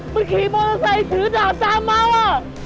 มันขี่มอเตอร์ไซค์ถือดาบตามมาอ่ะ